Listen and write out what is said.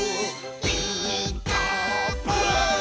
「ピーカーブ！」